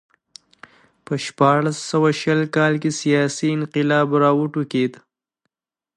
په شپاړس سوه شل کال کې سیاسي انقلاب راوټوکېد.